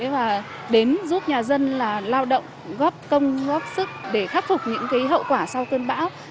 và đến giúp nhà dân là lao động góp công góp sức để khắc phục những hậu quả sau cơn bão